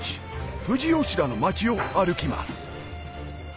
富士吉田の町を歩きます